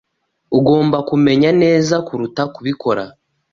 Ugomba kumenya neza kuruta kubikora.